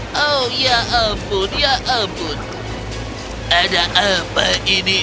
oh ya ampun ya ampun ada apa ini